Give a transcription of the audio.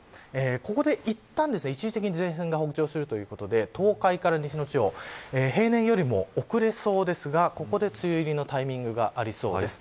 ここで、いったん一時的に前線が北上するということで東海から西の地方平年よりも、遅れそうですがここで梅雨入りのタイミングがありそうです。